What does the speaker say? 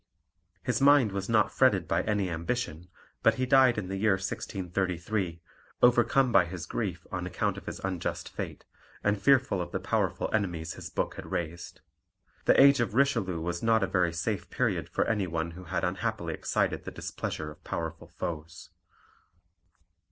His mind was not fretted by any ambition, but he died in the year 1633, overcome by his grief on account of his unjust fate, and fearful of the powerful enemies his book had raised. The age of Richelieu was not a very safe period for any one who had unhappily excited the displeasure of powerful foes.